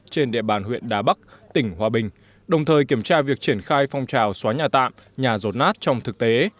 trên địa bàn huyện đà bắc tỉnh hòa bình đồng thời kiểm tra việc triển khai phong trào xóa nhà tạm nhà rột nát trong thực tế